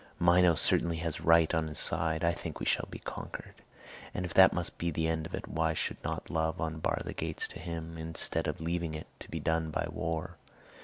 Minos certainly has right on his side. I think we shall be conquered; and if that must be the end of it, why should not love unbar the gates to him, instead of leaving it to be done by war?